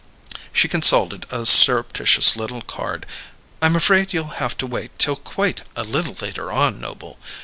She consulted a surreptitious little card. "I'm afraid you'll have to wait till quite a little later on, Noble.